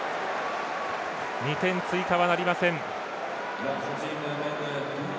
２点追加はなりません。